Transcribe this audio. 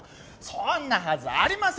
そんなはずありません！